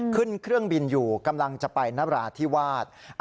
ขึ้นเครื่องบินอยู่กำลังจะไปนราธิวาส